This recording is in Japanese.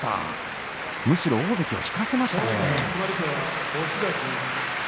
むしろ大関を引かせましたね。